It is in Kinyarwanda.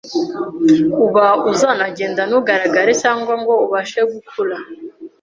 uba uzanagenda ntugaragare cyangwa ngo ubashe gukura,